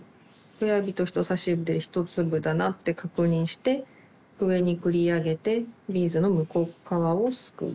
親指と人さし指で１粒だなって確認して上に繰り上げてビーズの向こう側をすくう。